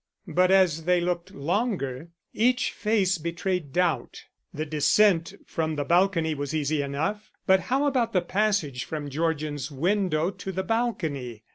But as they looked longer, each face betrayed doubt. The descent from the balcony was easy enough, but how about the passage from Georgian's window to the balcony?